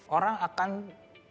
orang akan berpikir